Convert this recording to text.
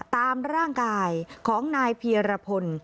ตามร่างกายของนายเพียรพล